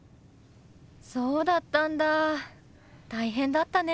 そうだったんだ大変だったね。